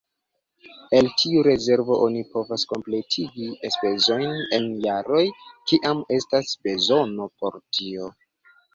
El tiu rezervo oni povas kompletigi enspezojn en jaroj, kiam estas bezono por tio.